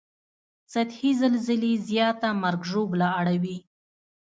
سطحي زلزلې زیاته مرګ ژوبله اړوي